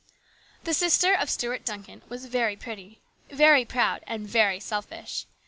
The sister of Stuart Duncan was very pretty, very proud, and very selfish.